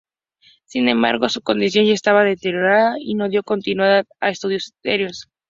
Sin embargo, su condición ya estaba deteriorada, y no dio continuidad a estudios serios.